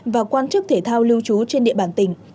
và quan chức thể thao lưu trú trên địa bàn tỉnh